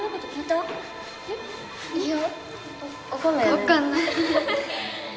わかんない。